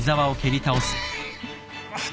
あっ。